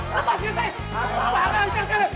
parah jangan kalian